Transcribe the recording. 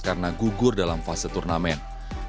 karena gugur dalam fase turnamen